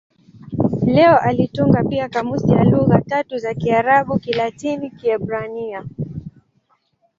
Leo alitunga pia kamusi ya lugha tatu za Kiarabu-Kilatini-Kiebrania.